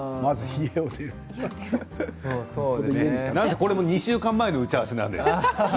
これも２週間前の打ち合わせですね。